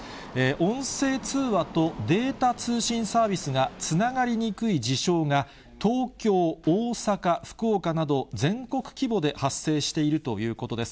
音声通話とデータ通信サービスがつながりにくい事象が、東京、大阪、福岡など全国規模で発生しているということです。